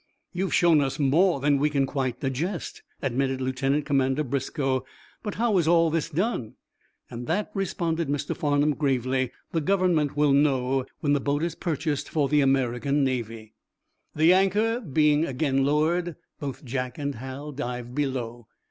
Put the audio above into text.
"You have shown us more than we can quite digest," admitted Lieutenant Commander Briscoe. "But how is this all done?" "That," responded Mr. Farnum, gravely, "the Government will know when the boat is purchased for the American Navy." The anchor being again lowered, both Jack and Hal dived below.